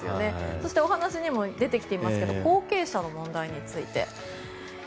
そして、お話にも出てきていますが後継者の問題について。